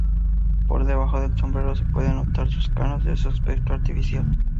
Por debajo del sombrero se pueden notar sus canas, de un aspecto artificial.